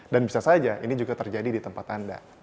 dan bisa saja ini juga terjadi di tempat anda